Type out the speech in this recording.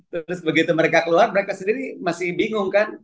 terus begitu mereka keluar mereka sendiri masih bingung kan